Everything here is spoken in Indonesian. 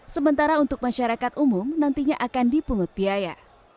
sementara untuk masyarakat umum nantinya akan dipungut biaya